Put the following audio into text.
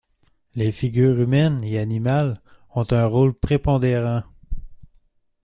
Les figures humaines et animales ont un rôle prépondérant.